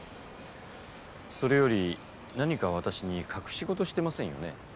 それより何か私に隠し事してませんよね？